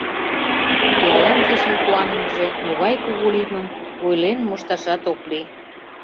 Пиалан ешын куанымыже могай кугу лиймым ойлен мошташат ок лий.